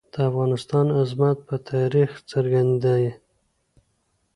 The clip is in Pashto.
د افغانستان عظمت په تاریخ کې څرګند دی.